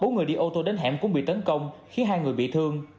bốn người đi ô tô đến hẻm cũng bị tấn công khiến hai người bị thương